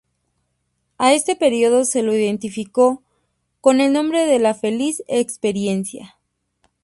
A este período se lo identificó con el nombre de "la feliz experiencia".